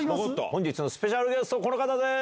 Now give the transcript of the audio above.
本日のスペシャルゲスト、この方です。